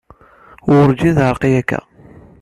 Werǧin teɛreq-iyi akka.